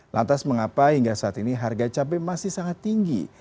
lantas mengapa hingga saat ini harga cabai masih sangat tinggi